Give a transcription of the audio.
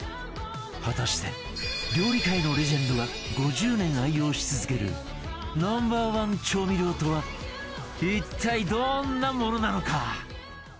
果たして料理界のレジェンドが５０年愛用し続ける Ｎｏ．１ 調味料とは一体どんなものなのか？